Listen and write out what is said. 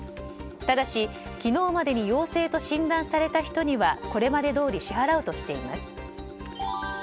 ただし昨日までに陽性と診断された人にはこれまでどおり支払うとしています。